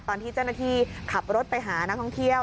ตอนที่เจ้าหน้าที่ขับรถไปหานักท่องเที่ยว